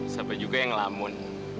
sama juga yang ngelamun